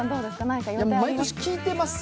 毎年聞いてます。